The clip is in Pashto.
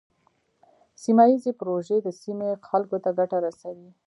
سیمه ایزې پروژې د سیمې خلکو ته ګټه رسوي.